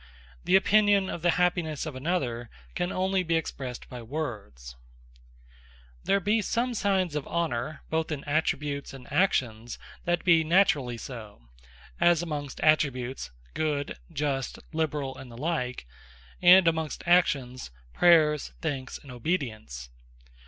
The opinion of the Happinesse of another, can onely be expressed by words. Worship Naturall And Arbitrary There be some signes of Honour, (both in Attributes and Actions,) that be Naturally so; as amongst Attributes, Good, Just, Liberall, and the like; and amongst Actions, Prayers, Thanks, and Obedience.